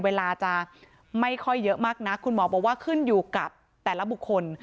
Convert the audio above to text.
เวลาจะไม่ค่อยเยอะมากนักคุณหมอบอกว่าขึ้นอยู่กับแต่ละบุคคล